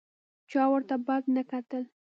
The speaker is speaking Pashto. چا ورته بد نه کتل.